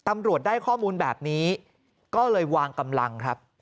ตำรวจได้ข้อมูลแบบนี้ก็เลยวางกำลังครับ